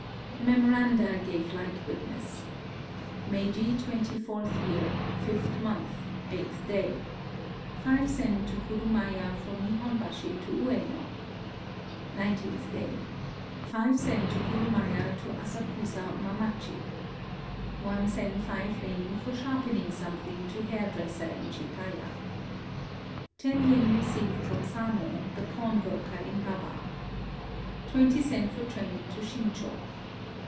The memoranda gave like witness :— Meiji twenty fourth year, fifth month, eighteenth day. 5 sen to kurumaya from NihonbasH to Uyeno. Nineteenth day. 5 sen to kurmnaya to Asakusa Umamaelii. 1 sen 5 rin for sharpening something to hair dresser in Shitaya. 10 yen received from Sano, the pawnbroker in Baba. 20 sen for train to Shincho.